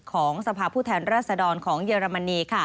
สภาพผู้แทนรัศดรของเยอรมนี